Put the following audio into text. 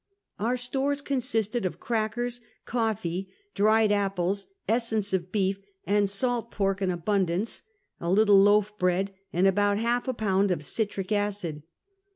Our stores consisted of crackers, coffee, dried apples, essence of beef, and salt pork in abundance, a little loaf bread, and about half a pound of citric acid.